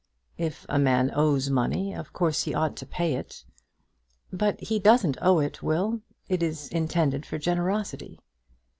"If a man owes money of course he ought to pay it." "But he doesn't owe it, Will. It is intended for generosity."